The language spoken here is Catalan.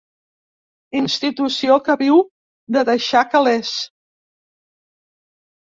Institució que viu de deixar calés.